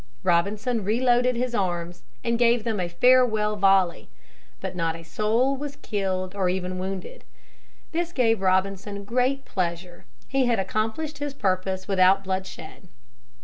Robinson reloaded his arms and gave them a farewell volley, but not a soul was killed or even wounded. This gave Robinson great pleasure. He had accomplished his purpose without bloodshed.